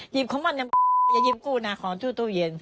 หยีบของมันยังอย่ายีบกู้นาของทั้วเต้าเย็น